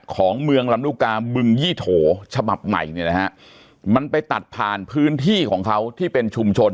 ของเมืองลำลูกกาบึงยี่โถฉบับใหม่เนี่ยนะฮะมันไปตัดผ่านพื้นที่ของเขาที่เป็นชุมชน